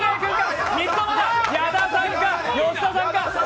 矢田さんか、吉田さんか。